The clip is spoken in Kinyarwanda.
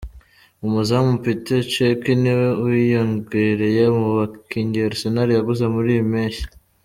Umuzamu Petr Cech ni we wiyongereye mu bakinnyi Arsenal yaguze muri iyi mpeshyi.